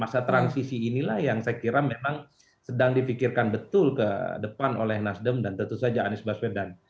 masa transisi inilah yang saya kira memang sedang dipikirkan betul ke depan oleh nasdem dan tentu saja anies baswedan